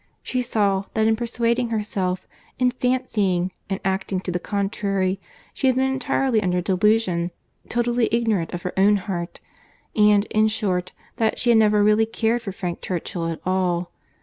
She saw, that in persuading herself, in fancying, in acting to the contrary, she had been entirely under a delusion, totally ignorant of her own heart—and, in short, that she had never really cared for Frank Churchill at all!